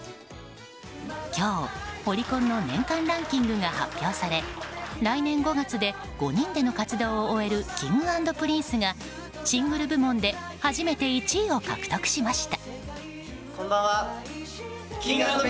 今日、オリコンの年間ランキングが発表され来年５月で５人での活動を終えるＫｉｎｇ＆Ｐｒｉｎｃｅがシングル部門で初めて１位を獲得しました。